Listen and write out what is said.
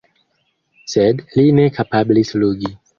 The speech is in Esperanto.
Sed li ne kapablis flugi!